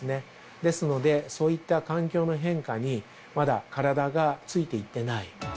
ですので、そういった環境の変化に、まだ体がついていってない。